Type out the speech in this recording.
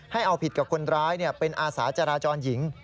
ให้เอาผิดกับคนร้ายเป็นอาสาจราจรหญิง